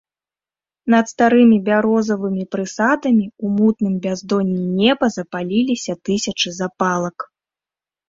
Над старымі бярозавымі прысадамі ў мутным бяздонні неба запаліліся тысячы запалак.